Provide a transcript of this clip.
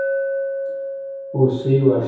هوسۍ واښه خوري.